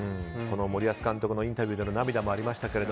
森保監督のインタビューでの涙もありましたけど